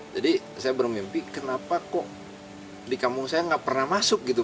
saya bermimpi kenapa kok di kampung saya nggak pernah masuk gitu